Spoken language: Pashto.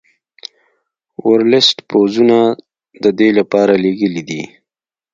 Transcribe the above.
ورلسټ پوځونه د دې لپاره لېږلي دي.